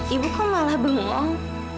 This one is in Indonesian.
ibu kok malah bengong